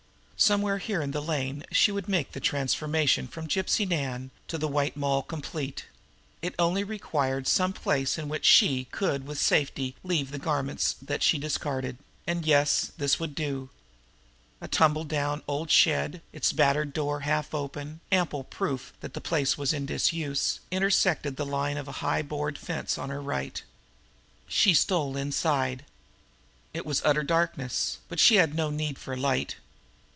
Somewhere here in the lane she would make the transformation from Gypsy Nan to the White Moll complete; it required only some place in which she could with safety leave the garments that she discarded, and Yes, this would do! A tumble down old shed, its battered door half open, ample proof that the place was in disuse, intersected the line of high board fence on her right. She stole inside. It was utterly dark, but she had no need for light.